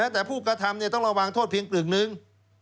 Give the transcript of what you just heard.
แต่ผู้กระทำต้องระวังโทษเพียงกึ่งหนึ่ง